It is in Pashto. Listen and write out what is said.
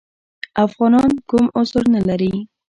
افغانان کوم عذر نه لري.